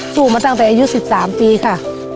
สู้มาตั้งแต่อายุ๑๓ปีค่ะ